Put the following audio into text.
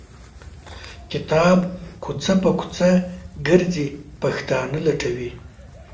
کتاب کوڅه په کوڅه ګرځي پښتانه لټوي.